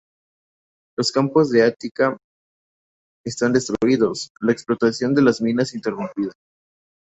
Los campos del Ática están destruidos, la explotación de las minas interrumpida.